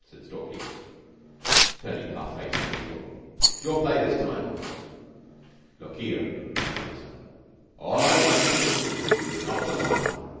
said Stalky, turning half face to Beetle. "It's your play this time!" "Look here," was the answer, "all I want you to do is not to laugh.